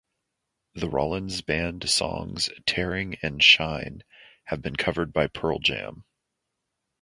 The Rollins Band songs "Tearing" and "Shine" have been covered by Pearl Jam.